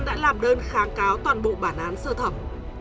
đã làm đơn kháng cáo toàn bộ bản án sơ thẩm